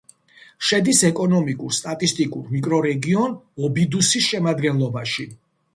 შედის ეკონომიკურ-სტატისტიკურ მიკრორეგიონ ობიდუსის შემადგენლობაში.